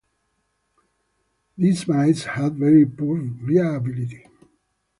These mice had very poor viability.